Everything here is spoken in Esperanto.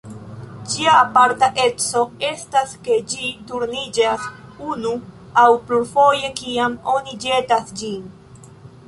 Ĝia aparta eco estas ke ĝi turniĝas unu aŭ plurfoje kiam oni ĵetas ĝin.